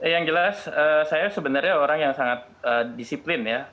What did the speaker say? yang jelas saya sebenarnya orang yang sangat disiplin ya